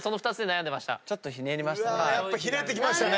ちょっとひねりましたね。